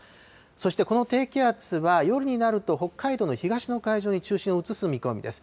そしてこの低気圧は夜になると北海道の東の海上に中心を移す見込みです。